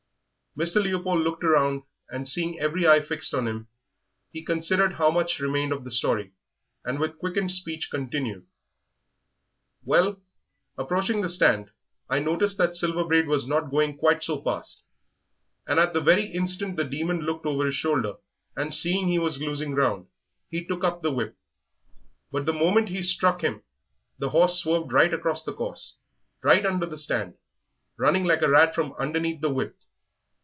Mr. Leopold looked round, and seeing every eye fixed on him he considered how much remained of the story, and with quickened speech continued, "Well, approaching the stand, I noticed that Silver Braid was not going quite so fast, and at the very instant the Demon looked over his shoulder, and seeing he was losing ground he took up the whip. But the moment he struck him the horse swerved right across the course, right under the stand, running like a rat from underneath the whip.